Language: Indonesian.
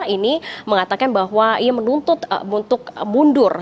ini mengatakan bahwa ia menuntut untuk mundur